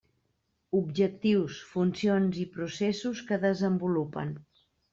Objectius, funcions i processos que desenvolupen.